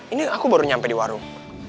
ini aku baru nyampe di warung